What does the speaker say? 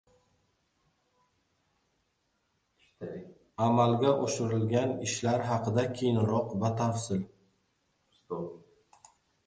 Amalga oshirilgan ishlar haqida keyinroq batafsil.